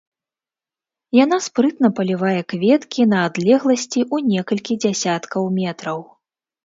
Яна спрытна палівае кветкі на адлегласці ў некалькі дзесяткаў метраў.